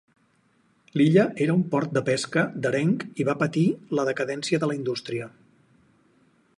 L'illa era un port de pesca d'areng i va patir la decadència de la indústria.